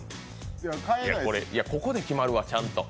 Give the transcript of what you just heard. ここで決まるわ、ちゃんと。